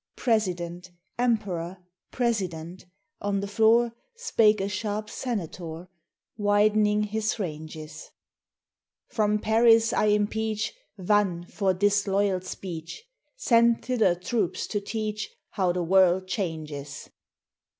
President!... Emperor!... President!... On the floor Spake a sharp Senator Widening his ranges: 'From Paris I impeach Vannes for disloyal speech; Send thither troops to teach, How the world changes!